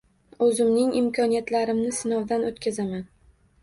O‘zimning imkoniyatlarimni sinovdan o‘tkazaman.